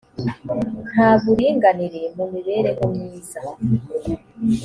nta buringanire mu mibereho myiza